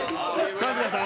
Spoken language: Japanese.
春日さん？